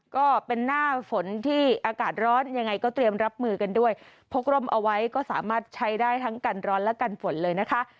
ก็เป็นหน้าฝนที่อากาศร้อนยังไงก็เตรียมรับมือกันด้วยพกร่มเอาไว้ก็สามารถใช้ได้ทั้งกันร้อนและกันฝนเลยนะคะ